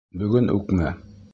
Бөгөн үкме?